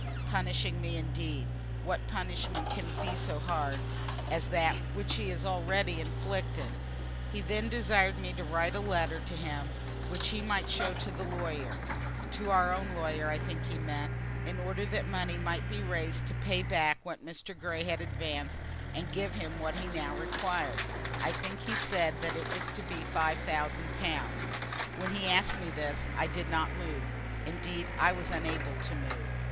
Punishing me, indeed! What punishment can be so hard as that which he has already inflicted? He then desired me to write a letter to him which he might show to the lawyer, to our own lawyer, I think he meant, in order that money might be raised to pay back what Mr. Grey had advanced, and give him what he now required. I think he said it was to be five thousand pounds. When he asked this I did not move. Indeed, I was unable to move.